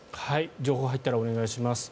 情報、入ったらお願いします。